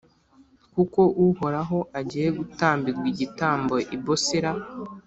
kuko Uhoraho agiye gutambirwa igitambo i Bosira,